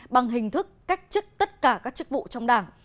bằng hình thức cách chức tất cả các chức vụ trong đảng